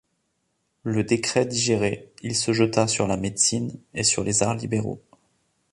Le décret digéré, il se jeta sur la médecine, et sur les arts libéraux.